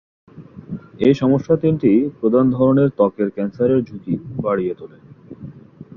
এই সমস্যা তিনটি প্রধান ধরনের ত্বকের ক্যান্সারের ঝুঁকি বাড়িয়ে তোলে।